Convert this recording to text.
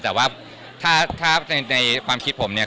แต่ว่าถ้าในความคิดผมเนี่ย